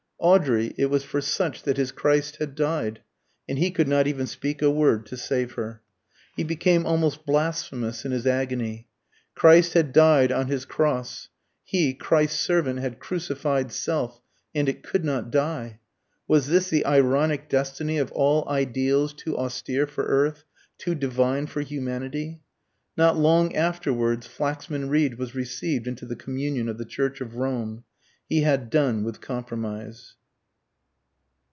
Audrey it was for such that his Christ had died. And he could not even speak a word to save her. He became almost blasphemous in his agony. Christ had died on his cross. He, Christ's servant, had crucified self and it could not die. Was this the ironic destiny of all ideals too austere for earth, too divine for humanity? Not long afterwards Flaxman Reed was received into the communion of the Church of Rome. He had done with compromise.